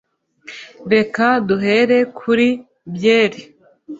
reka duhere kuri byeri